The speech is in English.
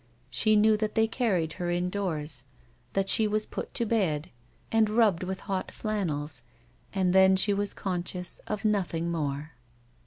She knew that they carried her indoors, that she was put to bed, and rubbed with hot flannels, and then she was conscious of nothing more.